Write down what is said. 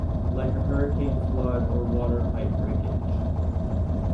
like a hurricane, flood, or water pipe breakage